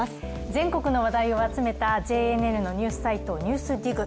全国の話題を集めたＪＮＮのニュースサイト「ＮＥＷＳＤＩＧ」。